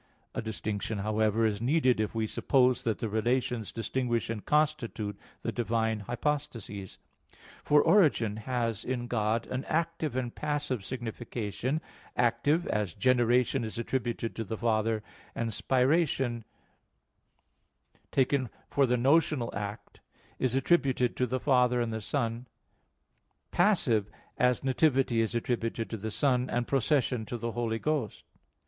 A distinction, however, is needed if we suppose that the relations distinguish and constitute the divine hypostases. For origin has in God an active and passive signification active, as generation is attributed to the Father, and spiration, taken for the notional act, is attributed to the Father and the Son; passive, as nativity is attributed to the Son, and procession to the Holy Ghost.